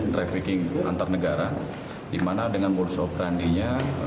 trafficking antar negara di mana dengan modus operandinya